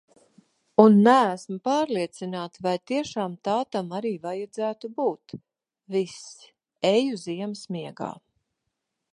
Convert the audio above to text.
Un neesmu pārliecināta, vai tiešām tā tam arī vajadzētu būt. Viss, eju ziemas miegā!